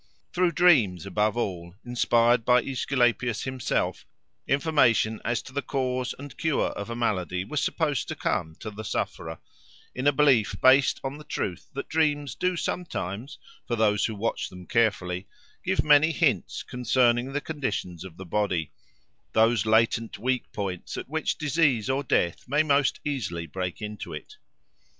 Through dreams, above all, inspired by Aesculapius himself, information as to the cause and cure of a malady was supposed to come to the sufferer, in a belief based on the truth that dreams do sometimes, for those who watch them carefully, give many hints concerning the conditions of the body—those latent weak points at which disease or death may most easily break into it.